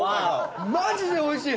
マジで美味しい！